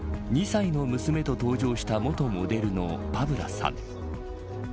２歳の娘と搭乗した元モデルのパブラさん。